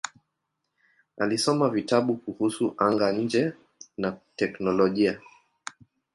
Alisoma vitabu kuhusu anga-nje na teknolojia.